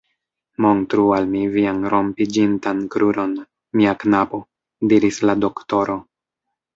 Montru al mi vian rompiĝintan kruron, mia knabo, diris la doktoro.